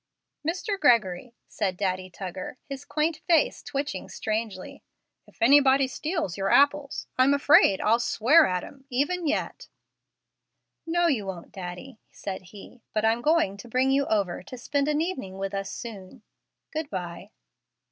"Mr. Gregory," said Daddy Tuggar, his quaint face twitching strangely, "if anybody steals your apples, I'm afraid I'll swear at 'em, even yet." "No, you won't, Daddy," said he. "But I'm going to bring you over to spend an evening with us soon. Good by!"